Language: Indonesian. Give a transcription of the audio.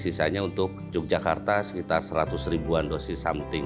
sisanya untuk yogyakarta sekitar seratus ribuan dosis something